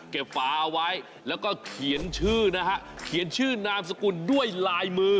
ฝาเอาไว้แล้วก็เขียนชื่อนะฮะเขียนชื่อนามสกุลด้วยลายมือ